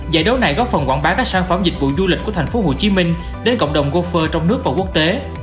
giải đấu này góp phần quảng bá các sản phẩm dịch vụ du lịch của tp hcm đến cộng đồng golfer trong nước và quốc tế